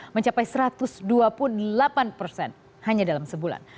mencapai satu ratus dua puluh delapan persen hanya dalam sebulan